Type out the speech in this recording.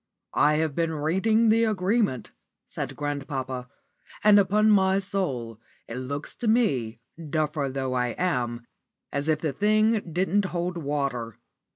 "I have been reading the agreement," said grandpapa, "and, upon my soul, it looks to me, duffer though I am, as if the thing didn't hold water.